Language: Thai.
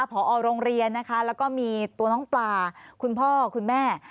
พอโรงเรียนนะคะแล้วก็มีตัวน้องปลาคุณพ่อคุณแม่